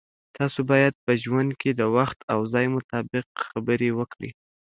تاسو باید په ژوند کې د وخت او ځای مطابق خبرې وکړئ.